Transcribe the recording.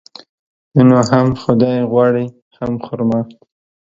ته نو هم خداى غواړي ،هم خر ما.